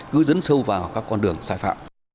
cứ dấn sâu vào các con đường sai phạm